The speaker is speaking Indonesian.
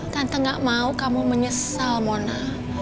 tante gak mau kamu menyesal mona